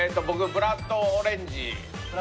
ブラッドオレンジ。